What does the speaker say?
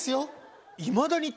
いまだに。